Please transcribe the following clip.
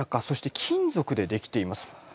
そして金属で出来ています。